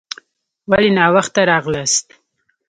ولي ناوخته راغلاست؟